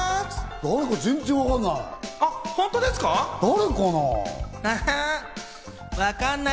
誰か全然わかんない！